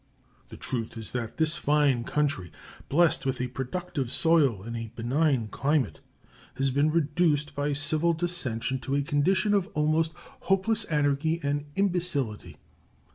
The truth is that this fine country, blessed with a productive soil and a benign climate, has been reduced by civil dissension to a condition of almost hopeless anarchy and imbecility.